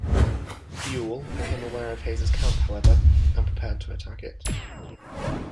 Buel became aware of Hays's camp, however, and prepared to attack it.